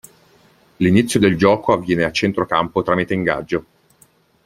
L'inizio del gioco avviene a centro campo tramite ingaggio.